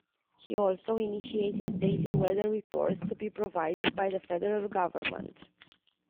He also initiated daily weather reports to be provided by the federal government.